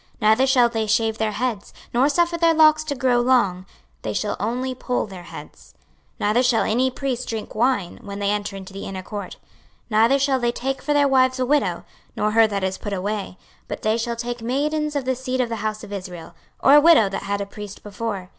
26:044:020 Neither shall they shave their heads, nor suffer their locks to grow long; they shall only poll their heads. 26:044:021 Neither shall any priest drink wine, when they enter into the inner court. 26:044:022 Neither shall they take for their wives a widow, nor her that is put away: but they shall take maidens of the seed of the house of Israel, or a widow that had a priest before.